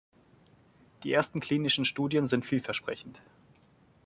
Die ersten klinischen Studien sind vielversprechend.